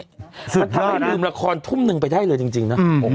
มันทำให้ลืมราคอร์นทุ่มหนึ่งไปได้เลยจริง